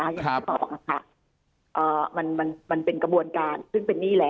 อย่างที่บอกค่ะมันเป็นกระบวนการซึ่งเป็นหนี้แล้ว